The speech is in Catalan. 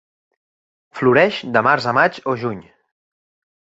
Floreix de març a maig o juny.